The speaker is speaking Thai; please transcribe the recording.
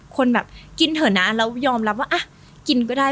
คนแบบกินเถอะนะแล้วยอมรับว่าอ่ะกินก็ได้